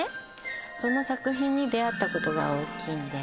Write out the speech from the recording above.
その作品に出会ったことが大きいんです